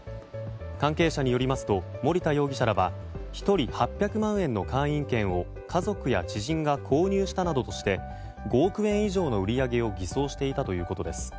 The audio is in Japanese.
関係者によりますと森田容疑者らは１人８００万円の会員権を家族や知人が購入したなどとして５億円以上の売り上げを偽装していたということです。